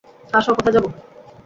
আসো -কোথায় যাব?